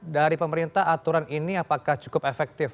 dari pemerintah aturan ini apakah cukup efektif